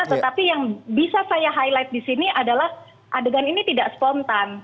tetapi yang bisa saya highlight di sini adalah adegan ini tidak spontan